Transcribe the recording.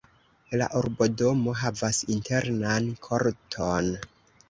La urbodomo havas internan korton.